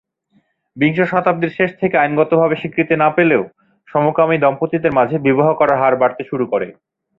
বিংশ শতাব্দীর শেষ থেকে আইনগতভাবে স্বীকৃতি না পেলেও সমকামি দম্পতিদের মাঝে বিবাহ করার হার বাড়তে শুরু করে।